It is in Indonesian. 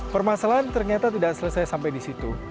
permasalahan ternyata tidak selesai sampai di situ